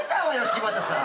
柴田さん。